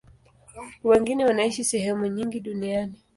Wengine wanaishi sehemu nyingi duniani.